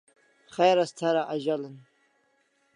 Khair as thara azal'i en?